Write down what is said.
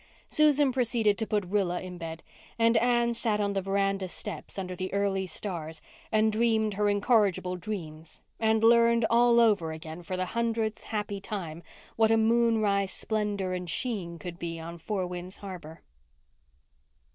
Susan proceeded to put Rilla in bed and Anne sat on the veranda steps under the early stars and dreamed her incorrigible dreams and learned all over again for the hundredth happy time what a moonrise splendour and sheen could be on Four Winds Harbour.